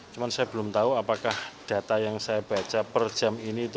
cuma saya belum tahu apakah data yang saya baca per jam ini itu